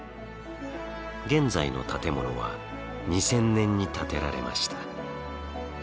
現在の建物は２０００年に建てられました。